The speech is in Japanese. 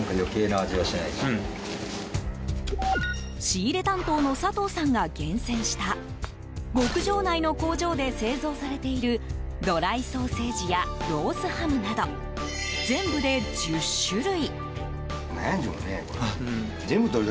仕入れ担当の佐藤さんが厳選した牧場内の工場で製造されているドライソーセージやロースハムなど全部で１０種類。